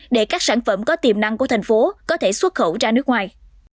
để các sản phẩm có tiềm năng của thành phố có thể xuất khẩu ra nước ngoài